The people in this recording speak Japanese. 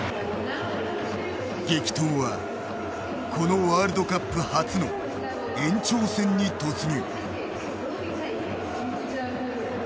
激闘はこのワールドカップ初の延長戦に突入。